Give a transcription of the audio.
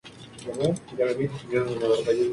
Pero al mismo tiempo Eiji lo evita.